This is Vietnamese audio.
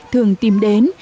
thường tìm đến